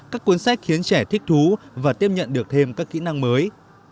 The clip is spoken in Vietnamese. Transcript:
các cuốn sách khiến trẻ thích thú và tiếp nhận được thêm các kỹ năng mới